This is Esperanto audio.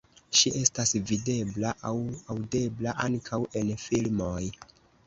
Ŝi estas videbla aŭ aŭdebla ankaŭ en filmoj.